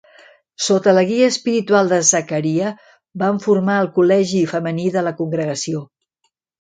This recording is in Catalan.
Sota la guia espiritual de Zaccaria, van formar el col·legi femení de la congregació.